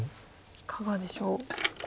いかがでしょう。